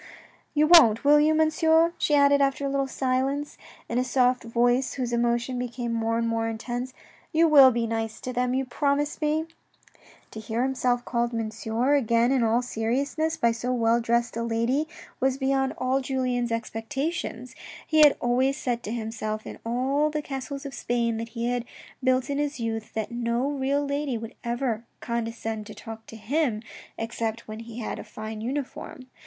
"You won't, will you, Monsieur," she added after a little silence, in a soft voice whose emotion became more and more intense. " You will be nice to them, you promise me ?" To hear himself called "Monsieur" again in all seriousness by so well dressed a lady was beyond all Julien's expectations. He had always said to himself in all the castles of Spain that he had built in his youth, that no real lady would ever condescend to talk to him except when he had a fine uniform.